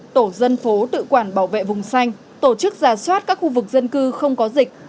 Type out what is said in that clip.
tổ dân phố tự quản bảo vệ vùng xanh tổ chức giả soát các khu vực dân cư không có dịch